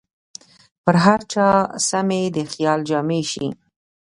پر هر چا سمې د خیال جامې شي